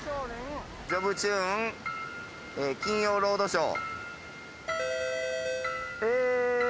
『ジョブチューン』『金曜ロードショー』えー。